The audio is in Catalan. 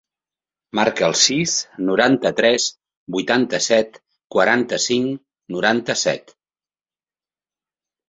Marca el sis, noranta-tres, vuitanta-set, quaranta-cinc, noranta-set.